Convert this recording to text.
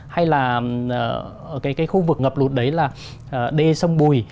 hay là cái khu vực ngập lụt đấy là đê sông bùi